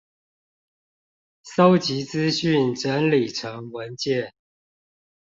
搜集資訊整理成文件